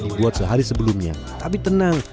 dibuat sehari sebelumnya tapi tenang